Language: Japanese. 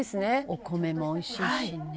お米も美味しいしね。